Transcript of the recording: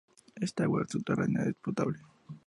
Esta agua subterránea es potable.